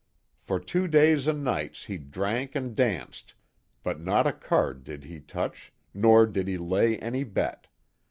For two days and nights he drank and danced, but not a card did he touch, nor did he lay any bet.